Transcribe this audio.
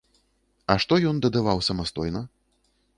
А што ён дадаваў самастойна?